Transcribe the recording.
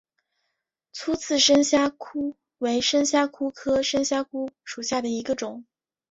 粗刺深虾蛄为深虾蛄科深虾蛄属下的一个种。